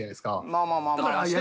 まあまあまあ。